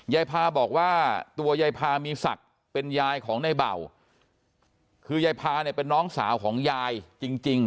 ใยภาพบอกว่าตัวยายภาพมีสัตว์เป็นยายของนายเบ่าคือยายภาพเนี่ยเป็นน้องสาวของยายจริง